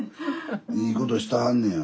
いいことしてはんねや。